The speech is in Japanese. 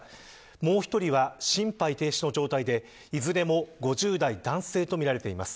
もう１人は心肺停止の状態でいずれも５０代男性とみられています。